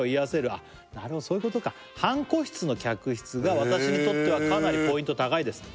あっなるほどそういうことか「半個室の客室が私にとってはかなりポイント高いです」